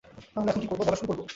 তাহলে, এখন কি করব, বলা শুরু করব?